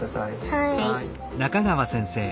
はい。